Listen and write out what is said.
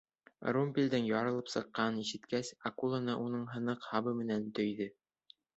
Румпелдең ярылып сыҡҡанын ишеткәс, акуланы уның һыныҡ һабы менән төйҙө.